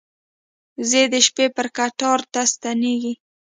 وزې د شپې پر کټار ته ستنېږي